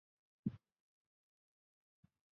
拉哈尔早熟禾为禾本科早熟禾属下的一个种。